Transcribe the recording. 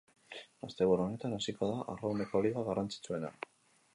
Asteburu honetan hasiko da arrrauneko liga garrantzitsuena.